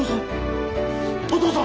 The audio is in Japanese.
お父さん！